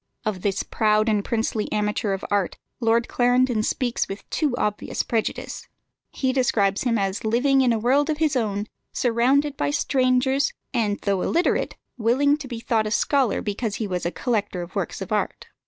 Of this proud and princely amateur of art Lord Clarendon speaks with too obvious prejudice. He describes him as living in a world of his own, surrounded by strangers, and though illiterate, willing to be thought a scholar because he was a collector of works of art.